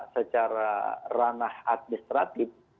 secara ranah administratif